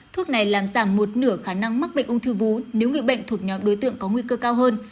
thuốc này làm giảm một nửa khả năng mắc bệnh ung thư vú nếu người bệnh thuộc nhóm đối tượng có nguy cơ cao hơn